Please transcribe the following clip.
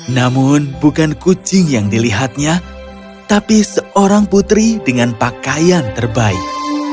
namun bukan kucing yang dilihatnya tapi seorang putri dengan pakaian terbaik